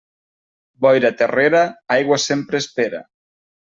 Boira terrera, aigua sempre espera.